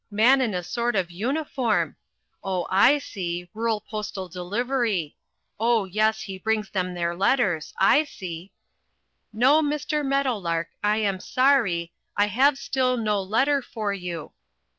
man in a sort of uniform oh, I see, rural postal delivery oh, yes, he brings them their letters I see "NO, MR. MEADOWLARK, I AM SORRY, I HAVE STILL NO LETTER FOR YOU..."